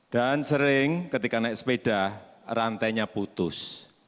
dan sering ketika naik sepeda rantainya putus